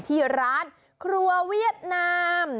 ที่ร้านครัวเวียดนาม